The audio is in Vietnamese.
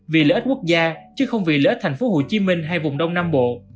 vì lợi ích quốc gia chứ không vì lợi ích thành phố hồ chí minh hay vùng đông nam bộ